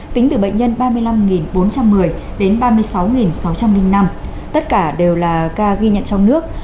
tính từ bệnh nhân ba mươi năm bốn trăm một mươi đến ba mươi sáu sáu trăm linh năm tất cả đều là ca ghi nhận trong nước